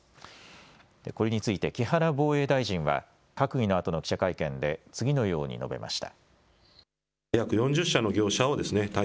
これについて木原防衛大臣は閣議のあとの記者会見で次のように述べました。